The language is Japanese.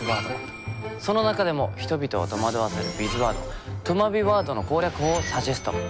その中でも人々を戸惑わせるビズワードとまビワードの攻略法をサジェスト。